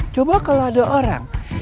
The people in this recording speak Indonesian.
coba kalau ada orang